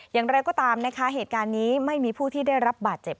อย่างไรก็ตามนะคะเหตุการณ์นี้ไม่มีผู้ที่ได้รับบาดเจ็บ